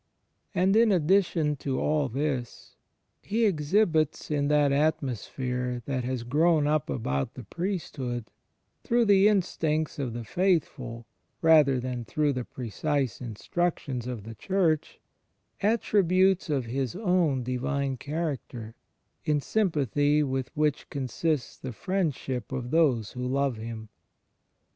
And, in addition to all this. He exhibits, in that atmosphere that has grown up about the Priesthood, through the instincts of the faith ful rather than through the precise instructions of the Church, attributes of His own Divine character, in sjnnpathy with which consists the friendship of those who love Him.